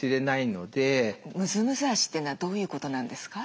「むずむず脚」っていうのはどういうことなんですか？